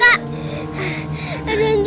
hantu oma belanda